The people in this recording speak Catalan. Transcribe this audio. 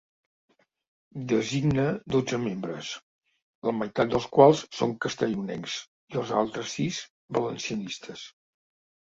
Designe dotze membres, la meitat dels quals són castellonencs i els altres sis, valencianistes.